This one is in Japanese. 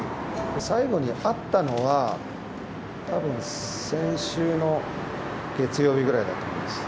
最後に会ったのは、たぶん先週の月曜日ぐらいだと思います。